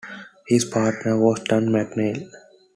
His partner was Don McNeill.